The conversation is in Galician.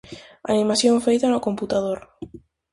Animación feita no computador.